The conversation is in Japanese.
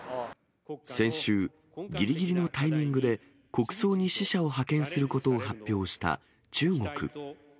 先週、ぎりぎりのタイミングで、国葬に使者を派遣することを発表した中国。